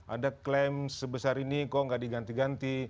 ada klaim sebesar ini kok nggak diganti ganti